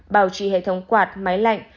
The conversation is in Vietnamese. bảo trì hệ thống quạt máy lạnh